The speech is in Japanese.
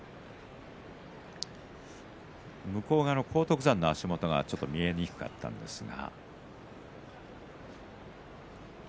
向こう側の荒篤山の足元が見えにくかったんですが。